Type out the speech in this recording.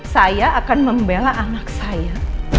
saya akan membela anak saya